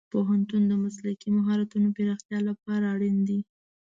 پوهنتون د مسلکي مهارتونو پراختیا لپاره اړین دی.